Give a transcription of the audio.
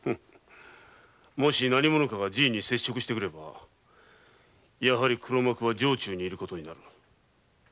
もし何者かがじぃに接触してくればやはり黒幕は城中に居ることになる。